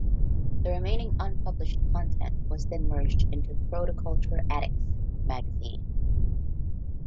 The remaining unpublished content was then merged into "Protoculture Addicts" magazine.